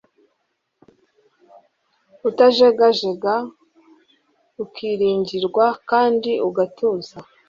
utajegajega, ukiringirwa kandi ugatuza